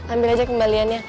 ambil aja kembaliannya